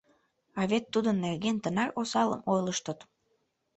«А вет тудын нерген тынар осалым ойлыштыт.